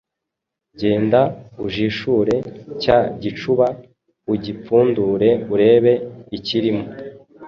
Genda ujishure cya gicuba, ugipfundure, urebe ikirimo."